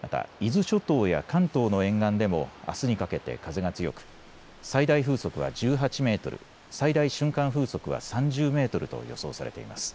また伊豆諸島や関東の沿岸でもあすにかけて風が強く最大風速は１８メートル、最大瞬間風速は３０メートルと予想されています。